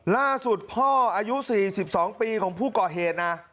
ล่าสุดพ่ออายุ๔๒ปีของผู้ก่อเหตุนะ